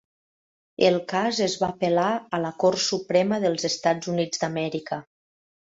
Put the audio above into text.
El cas es va apel·lar a la Cort Suprema dels Estats Units d'Amèrica.